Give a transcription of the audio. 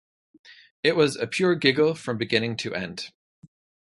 It was a pure giggle from beginning to end.